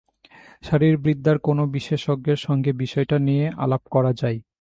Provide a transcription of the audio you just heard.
শরীরবিদ্যার কোনো বিশেষজ্ঞের সঙ্গে বিষয়টা নিয়ে আলাপ করা যায়।